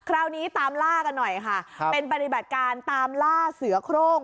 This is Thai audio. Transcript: คราวนี้ตามล่ากันหน่อยค่ะเป็นปฏิบัติการตามล่าเสือโครง